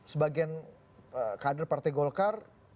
sebagian kader partai golkar